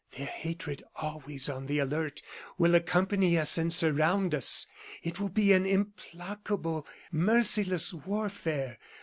Their hatred always on the alert, will accompany us and surround us. It will be an implacable, merciless warfare.